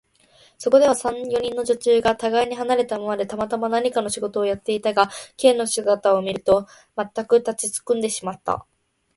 そこでは、三、四人の女中がたがいに離れたままで、たまたま何かの仕事をやっていたが、Ｋ の姿を見ると、まったく立ちすくんでしまった。